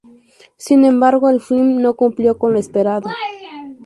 Sin embargo, el film no cumplió con lo esperado.